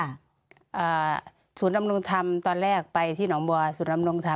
อ่าศูนย์ดำรงธรรมตอนแรกไปที่หนองบัวศูนย์ดำรงธรรม